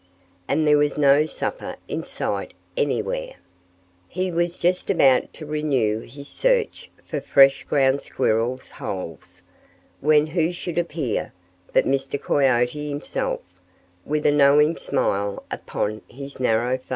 And there was no supper in sight anywhere. He was just about to renew his search for fresh ground squirrels' holes, when who should appear but Mr. Coyote himself, with a knowing smile upon his narrow face.